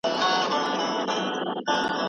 د ګیلهمن هابیل په مړي به کوکارې وهې